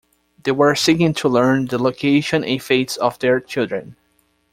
They were seeking to learn the location and fates of their children.